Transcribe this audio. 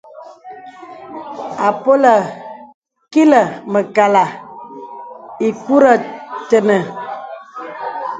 Àpolə̀ kilə̀ mə̀kàlà ìkurə̀ tenə̀.